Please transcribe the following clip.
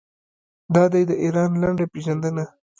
دا دی د ایران لنډه پیژندنه.